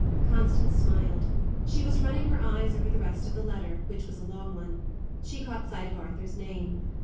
Constance smiled. She was running her eyes over the rest of the letter, which was a long one. She caught sight of Arthur's name.